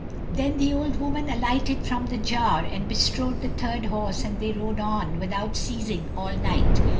Then the old woman alighted from the jar and bestrode the third horse and they rode on, without ceasing, all night.